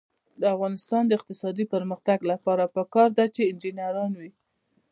د افغانستان د اقتصادي پرمختګ لپاره پکار ده چې انجنیران وي.